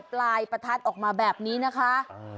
ปลายประทัดออกมาแบบนี้นะคะ